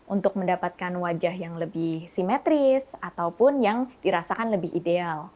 untuk mendapatkan wajah yang lebih simetris ataupun yang dirasakan lebih ideal